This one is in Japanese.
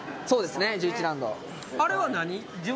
あれは何？